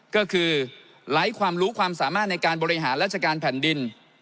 ก็คือไร้ความรู้ความสามารถในการบริหารราชการแผ่นดิน